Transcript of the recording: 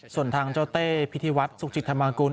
ส่วนทางเจ้าเต้พิธีวัฒน์สุขจิตธรรมางกุล